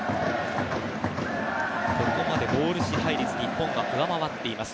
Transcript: ボール支配率は日本が上回っています。